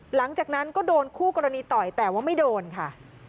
หลังจากนั้นก็โดนคู่กรณีต่อยแต่ว่าไม่โดนค่ะ